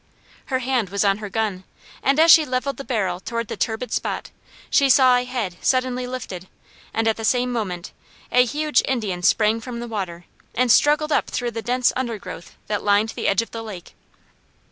Her hand was on her gun, and as she leveled the barrel towards the turbid spot, she saw a head suddenly lifted, and at the same moment a huge Indian sprang from the water and struggled up through the dense undergrowth that lined the edge of the lake.